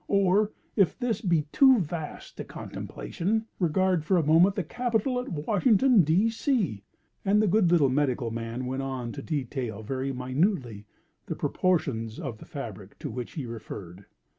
or if this be too vast a contemplation, regard for a moment the Capitol at Washington, D. C.!"—and the good little medical man went on to detail very minutely, the proportions of the fabric to which he referred.